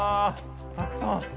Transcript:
たくさん！